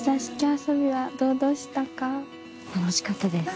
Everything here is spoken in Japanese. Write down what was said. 楽しかったです